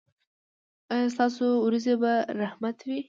ایا ستاسو ورېځې به رحمت وي؟